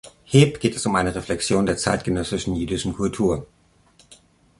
Heeb geht es um eine Reflexion der zeitgenössischen jüdischen Kultur.